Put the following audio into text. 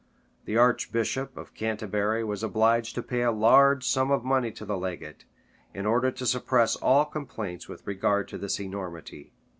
The archbishop of Canterbury was obliged to pay a large sum of money to the legate, in order to suppress all complaints with regard to this enormity.